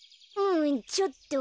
うんちょっと。